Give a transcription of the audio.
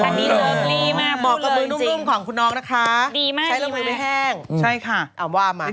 อันนี้โซมลีมากบอกกับมือนุ่มของคุณน้องนะคะดีมากใช้ละมือไม่แห้ง